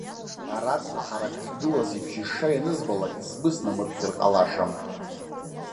Араҵла ҳарак ахьгылаз ибжьышша ианызбалак, сгәы снамырхьыр ҟалашам.